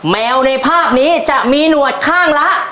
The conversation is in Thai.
แมวในภาพนี้จะมีหนวดข้างละ